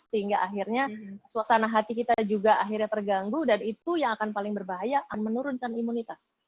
sehingga akhirnya suasana hati kita juga akhirnya terganggu dan itu yang akan paling berbahaya menurunkan imunitas